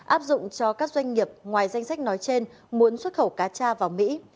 áp dụng cho các doanh nghiệp ngoài danh sách nói trên muốn xuất khẩu cá cha vào mỹ